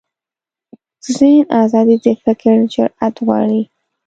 د ذهن ازادي د فکر جرئت غواړي.